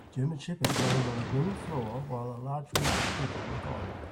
German Shepherds running on a green floor while a large group of people look on.